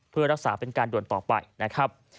เพื่อรักษาเป็นการด่วนต่อไปนะครับ